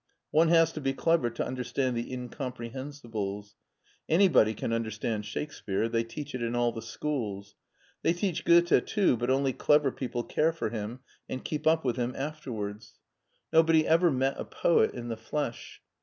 One has to be clever to un derstand the incomprehensibles. Anybody can under stand Shakespeare: they teach it in all the schools; they teach Goethe too, but only clever people care for him and keep up with him afterwards. Nobody ever HEIDELBERG 27 met a poet in the flesh.